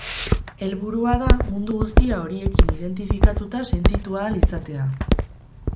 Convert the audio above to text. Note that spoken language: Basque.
Helburua da mundu guztia horiekin identifikatuta sentitu ahal izatea.